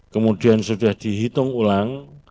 kemudian sudah dihitung ulang